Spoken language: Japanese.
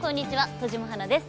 戸島花です。